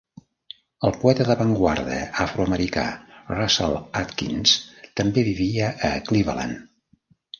El poeta d'avantguarda afroamericà Russell Atkins també vivia a Cleveland.